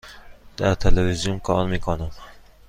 در تلویزیون کار می کنم.